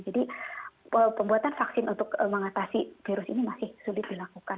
jadi pembuatan vaksin untuk mengatasi virus ini masih sulit dilakukan